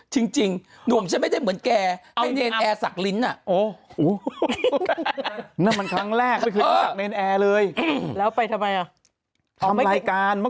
คุณแม่เอาจริงเลยในฐานะ